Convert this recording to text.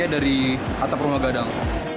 dari atap rumah gadang